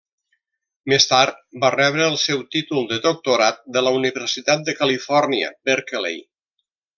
Més tard, va rebre el seu títol de doctorat de la Universitat de Califòrnia, Berkeley.